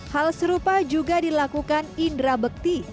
hal serupa juga dilakukan indra bekti